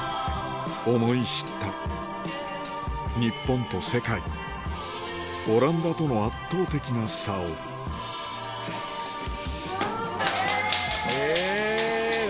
思い知った日本と世界オランダとの圧倒的な差をイェイ！